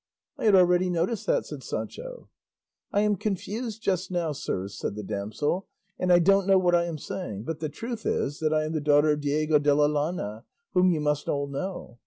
"I had already noticed that," said Sancho. "I am confused just now, sirs," said the damsel, "and I don't know what I am saying; but the truth is that I am the daughter of Diego de la Llana, whom you must all know."